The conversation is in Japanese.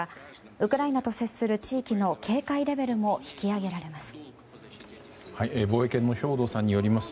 ウクライナと接する地域の警戒レベルも引き上げられます。